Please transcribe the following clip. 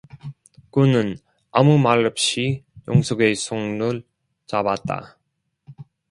그는 아무 말 없이 영숙의 손을 잡았다.